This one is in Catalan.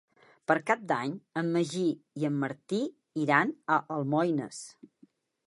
Per Cap d'Any en Magí i en Martí iran a Almoines.